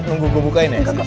nunggu gue bukain ya